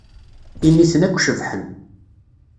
Initen akk cebḥen.